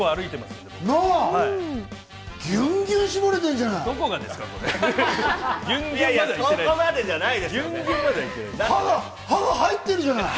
すごいじゃない。